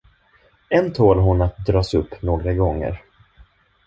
Än tål hon att dras upp några gånger.